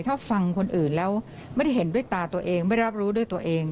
ถ้าฟังคนอื่นแล้วไม่ได้เห็นด้วยตาตัวเองไม่รับรู้ด้วยตัวเอง